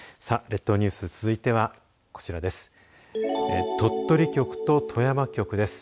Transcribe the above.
列島ニュース、続いてはこちらです。